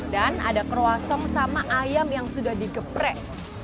dan ada croissant sama ayam yang sudah digeprek